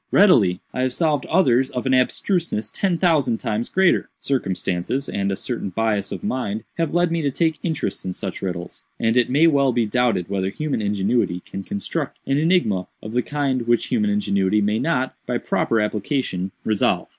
"Readily; I have solved others of an abstruseness ten thousand times greater. Circumstances, and a certain bias of mind, have led me to take interest in such riddles, and it may well be doubted whether human ingenuity can construct an enigma of the kind which human ingenuity may not, by proper application, resolve.